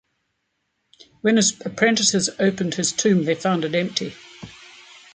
When his apprentices opened his tomb, they found it empty.